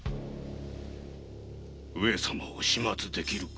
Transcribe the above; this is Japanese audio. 上様を始末できるか？